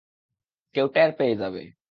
কেউ ট্যার পেয়ে যাবে।